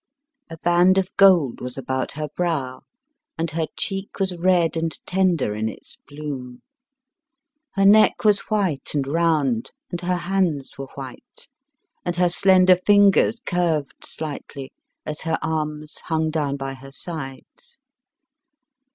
A band of gold was about her brow, and her cheek was red and tender in its bloom. Her neck was white and round, and her hands were white, and her slender fingers curved slightly as her arms hung down by her sides.